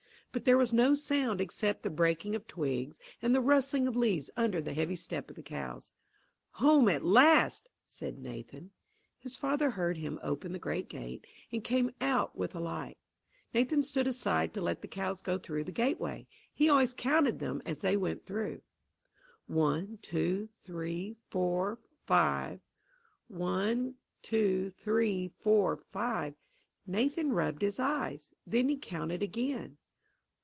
But there was no sound except the breaking of twigs and the rustling of leaves under the heavy step of the cows. "Home at last!" said Nathan. His father heard him open the great gate, and came out with a light. Nathan stood aside to let the cows go through the gateway. He always counted them as they went through. One, two, three, four, five one, two, three, four, five Nathan rubbed his eyes. Then he counted again.